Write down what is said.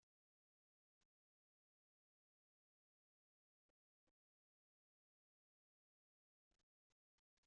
Ul ymekken ad yɛad tella sys.